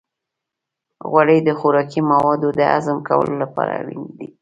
غوړې د خوراکي موادو د هضم کولو لپاره اړینې دي.